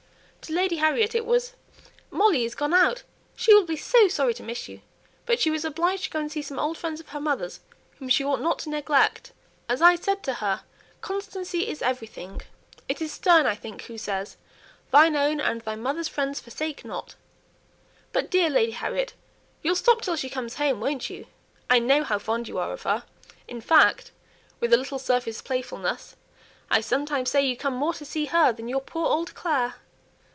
To Lady Harriet it was "Molly is gone out; she will be so sorry to miss you, but she was obliged to go to see some old friends of her mother's whom she ought not to neglect; as I said to her, constancy is everything. It is Sterne, I think, who says, 'Thine own and thy mother's friends forsake not.' But, dear Lady Harriet, you'll stop till she comes home, won't you? I know how fond you are of her; in fact" (with a little surface playfulness) "I sometimes say you come more to see her than your poor old Clare."